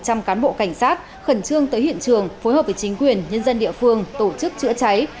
trong cán bộ cảnh sát khẩn trương tới hiện trường phối hợp với chính quyền nhân dân địa phương tổ chức chữa cháy